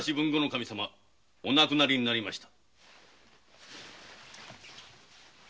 守様お亡くなりになりました。